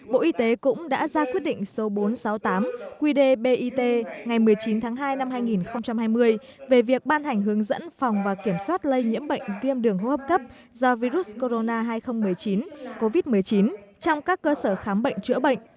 bộ y tế cũng đã ra quyết định số bốn trăm sáu mươi tám qd bit ngày một mươi chín tháng hai năm hai nghìn hai mươi về việc ban hành hướng dẫn phòng và kiểm soát lây nhiễm bệnh viêm đường hô hấp cấp do virus corona hai nghìn một mươi chín covid một mươi chín trong các cơ sở khám bệnh chữa bệnh